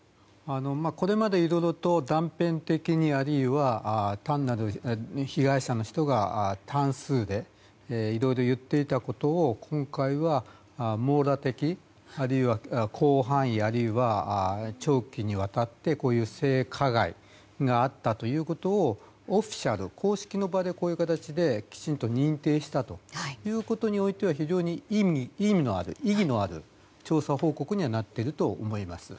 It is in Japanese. これまでいろいろと断片的にあるいは被害者の人が単数でいろいろと言っていたことを今回は網羅的、あるいは広範囲あるいは長期にわたってこういう性加害があったということをオフィシャル、公式の場でこういう形できちんと認定したということに関しては非常に意味のある意義のある調査報告になっていると思います。